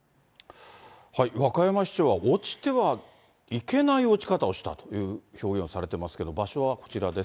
和歌山市長は、落ちてはいけない落ち方をしたという表現をされてますけど、場所はこちらです。